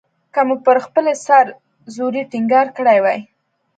که مو پر خپلې سر زورۍ ټینګار کړی وای.